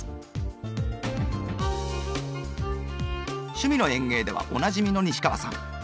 「趣味の園芸」ではおなじみの西川さん。